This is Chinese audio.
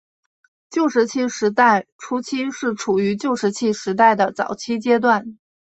旧石器时代初期是处于旧石器时代的早期阶段。